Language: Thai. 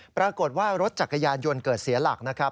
ปรากฏว่ารถจักรยานยนต์เกิดเสียหลักนะครับ